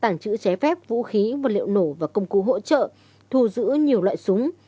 trong đó cơ quan tàng trữ chế phép vũ khí vật liệu nổ và công cụ hỗ trợ thù giữ nhiều loại súng